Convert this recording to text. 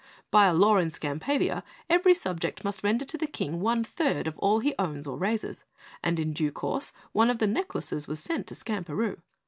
By a law in Skampavia every subject must render to the King one third of all he owns or raises, and in due course, one of the necklaces was sent to Skamperoo.